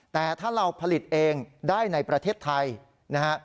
แต่ถ้าเราผลิตเองได้ในประเทศไทยนะฮะ